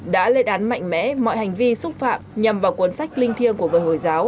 đã lên án mạnh mẽ mọi hành vi xúc phạm nhằm vào cuốn sách linh thiêng của người hồi giáo